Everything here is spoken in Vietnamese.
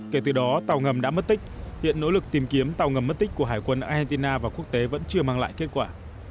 kể từ đó tàu ngầm đã mất tích hiện nỗ lực tìm kiếm tàu ngầm mất tích của hải quân argentina và quốc tế vẫn chưa mang lại kết quả